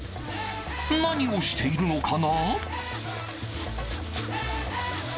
何をしているのかな？